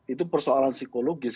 itu persoalan psikologis